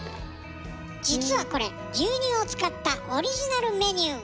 実はこれ牛乳を使ったオリジナルメニュー。